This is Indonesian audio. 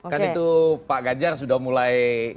kan itu pak ganjar sudah mulai